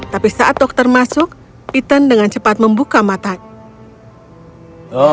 tapi saat dokter masuk ethan dengan cepat membuka matanya